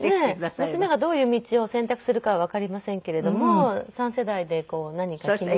娘がどういう道を選択するかはわかりませんけれども三世代でこう何か記念に。